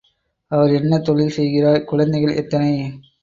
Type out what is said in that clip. அவர் என்ன தொழில் செய்கிறார், குழந்தைகள் எத்தனை?